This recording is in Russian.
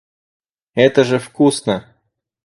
Это же вкусно.